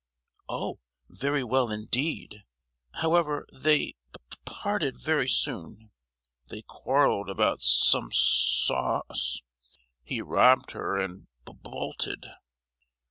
"Oh, very well indeed; however, they p—arted very soon; they quarrelled about some sa—sauce. He robbed her—and bo—olted."